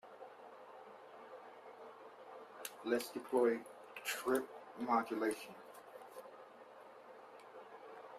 Let's deploy chirp modulation.